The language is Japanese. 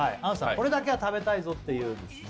これだけは食べたいぞっていうですね